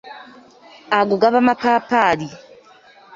Ago gaba mapaapaali.